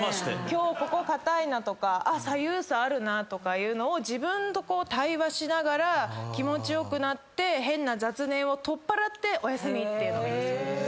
今日ここ硬いなとか左右差あるなとかいうのを自分と対話しながら気持ち良くなって変な雑念を取っ払っておやすみっていうのを。